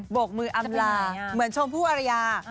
กมืออำลาเหมือนชมพู่อรยา